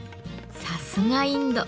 さすがインド！